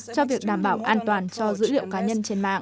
cho việc đảm bảo an toàn cho dữ liệu cá nhân trên mạng